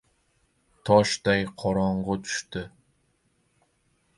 Toshday qorong‘i tushdi.